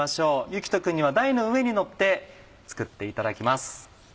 志人君には台の上に乗って作っていただきます。